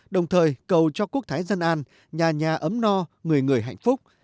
đồng thời cầu cho quốc thái dân an nhà nhà ấm no người người hạnh phúc